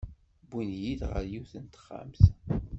Iwin-iyi ɣer yiwet n texxamt.